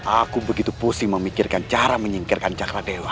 aku begitu pusing memikirkan cara menyingkirkan cakradela